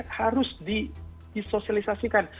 tentunya masyarakat harus disosialisasikan